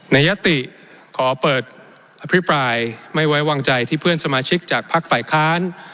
ยติขอเปิดอภิปรายไม่ไว้วางใจที่เพื่อนสมาชิกจากพักฝ่ายค้าน